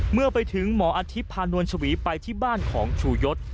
เมื่อไปถึงหมออาทิตย์พานวลชวีไปที่บ้านของชูยศ